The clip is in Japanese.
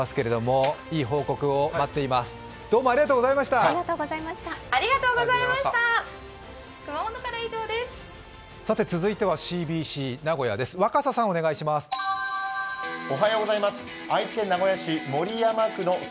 続いてはＣＢＣ・名古屋です。